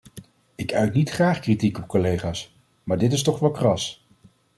Ik uit niet graag kritiek op collega's, maar dit is toch wel kras!